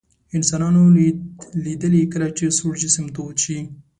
انسانانو لیدلي کله چې سوړ جسم تود شي.